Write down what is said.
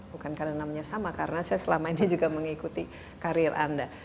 bukan karena namanya sama karena saya selama ini juga mengikuti karir anda